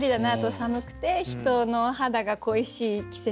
寒くて人の肌が恋しい季節。